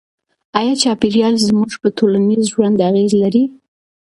آیا چاپیریال زموږ په ټولنیز ژوند اغېز لري؟